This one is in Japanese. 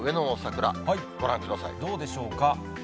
どうでしょうか。